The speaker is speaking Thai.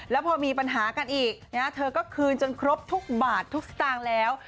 แล้วพอมีปัญหากันอีกเธอก็คืนจนครบทุกบาททุกสตางค์แล้ว